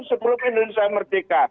sebelum indonesia merdeka